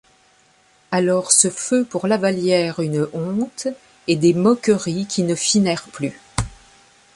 Alors ce feut pour Lavallière une honte et des mocqueries qui ne finèrent plus.